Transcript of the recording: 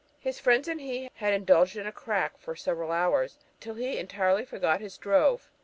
His friends and he had indulged in a crack for several hours, till he entirely forgot his drove.